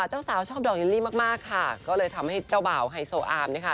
เจ้าสาวชอบดอกลิลลี่มากมากค่ะก็เลยทำให้เจ้าบ่าวไฮโซอาร์มนะคะ